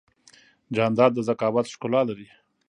جانداد د ذکاوت ښکلا لري.